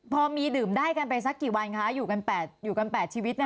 พอมีดื่มได้กันไปสักกี่วันคะอยู่กัน๘ชีวิตนั้น